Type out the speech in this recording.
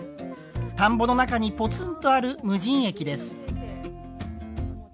田んぼの中にポツンとある無人駅です。